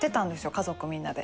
家族みんなで。